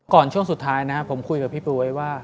ก่อนช่วงสุดท้ายนะครับผมคุยกับพี่ปุ๊ยว่า